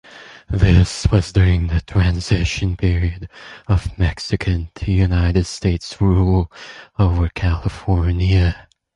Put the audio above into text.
This was during the transition period of Mexican to United States rule over California.